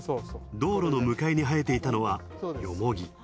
道路の向かいがわに生えていたのはヨモギ。